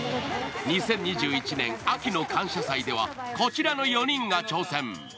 ２０１２年秋の「感謝祭」ではこちらの４人が挑戦。